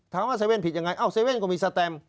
ถามว่า๗๑๑ผิดอย่างไร๗๑๑ก็มีสแตม